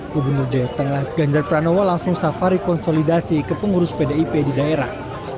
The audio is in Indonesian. gubernur jawa tengah ganjar pranowo langsung safari konsolidasi ke pengurus pdip di daerah